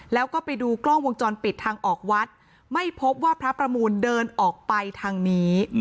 แล้วก็ไปดูกล้องวงจรปิดทางออกวัดไม่พบว่าพระประมูลเดินออกไปทางนี้